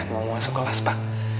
mau masuk ke last pack